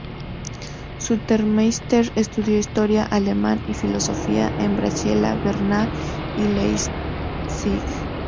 Sutermeister estudió historia, alemán y filosofía en Basilea, Berna y Leipzig.